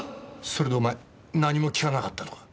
それでお前何も訊かなかったのか？